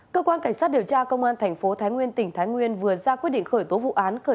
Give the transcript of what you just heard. cơ quan cảnh sát điều tra công an thành phố thái nguyên tỉnh thái nguyên vừa ra quyết định khởi tố vụ án khởi